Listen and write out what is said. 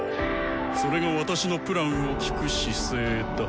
それが私の計画を聞く姿勢だ。